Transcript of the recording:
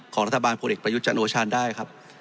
ของรัฐบาลพลเอกประยุทธ์จันโอชาญได้ครับ